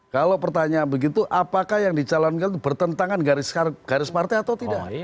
kalau pertanyaan begitu apakah yang dicalonkan bertentangan garis partai atau tidak